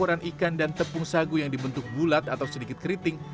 koran ikan dan tepung sagu yang dibentuk bulat atau sedikit keriting